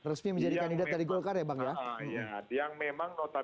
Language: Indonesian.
resmi menjadi kandidat dari golkar ya bang ya